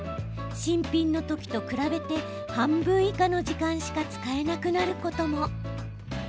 新品の時と比べて、半分以下の時間しか使えなくなることも。